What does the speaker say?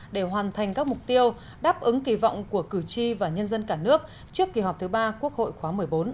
để hoàn thành các mục tiêu đáp ứng kỳ vọng của cử tri và nhân dân cả nước trước kỳ họp thứ ba quốc hội khóa một mươi bốn